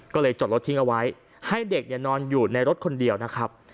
ก็เลยจดรถทิ้งเอาไว้ให้เด็กนอนอยู่ในรถคนเดียวนะครับ